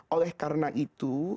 oleh karena itu